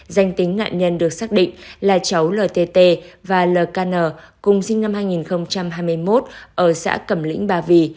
danh tính nạn nhân được xác định là cháu lt và lkn cùng sinh năm hai nghìn hai mươi một ở xã cẩm lĩnh bà vì